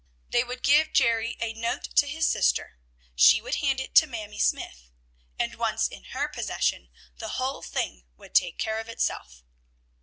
They would give Jerry a note to his sister; she would hand it to Mamie Smythe; and, once in her possession, the whole thing would take care of itself.